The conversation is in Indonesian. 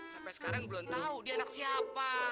sampai sekarang belum tahu dia anak siapa